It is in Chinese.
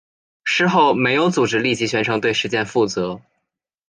事后没有组织立即宣称对事件负责。